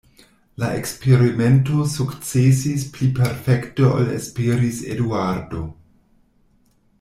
La eksperimento sukcesis pli perfekte ol esperis Eduardo.